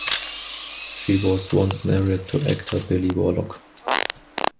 She was once married to actor Billy Warlock.